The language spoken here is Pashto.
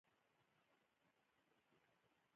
د داسې سیاسي بنسټونو د جوړېدو هیله لرله.